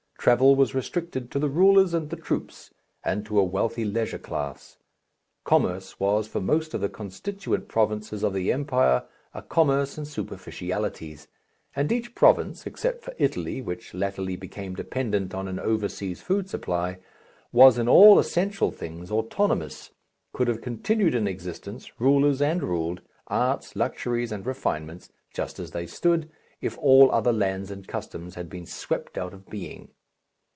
Travel was restricted to the rulers and the troops and to a wealthy leisure class; commerce was for most of the constituent provinces of the empire a commerce in superficialities, and each province except for Italy, which latterly became dependent on an over seas food supply was in all essential things autonomous, could have continued in existence, rulers and ruled, arts, luxuries, and refinements just as they stood, if all other lands and customs had been swept out of being.